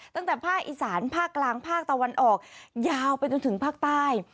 ตั้งแต่ภาคอีสานภาคกลางภาคตะวันออกยาวไปจนถึงภาคใต้